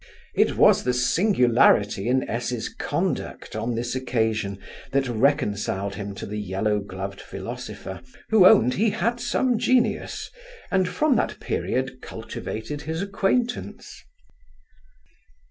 It was the singularity in S 's conduct, on this occasion, that reconciled him to the yellow gloved philosopher, who owned he had some genius, and from that period cultivated his acquaintance.